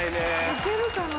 いけるかな？